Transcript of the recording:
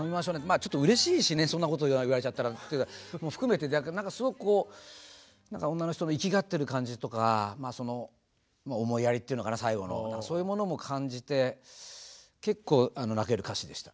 ちょっとうれしいしねそんなこと言われちゃったらっていうのも含めてすごく女の人のいきがってる感じとか思いやりっていうのかな最後のそういうものも感じて結構泣ける歌詞でした。